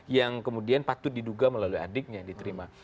yang kemudian patut diduga melalui adiknya diterima